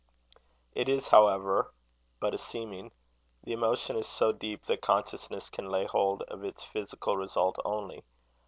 It is, however, but a seeming: the emotion is so deep, that consciousness can lay hold of its physical result only.